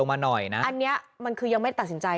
อันนี้มันคือยังไม่ตัดสินใจ